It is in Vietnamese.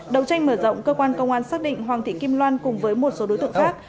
đầu tranh mở rộng cơ quan công an xác định hoàng thị kim loan cùng với một số đối tượng khác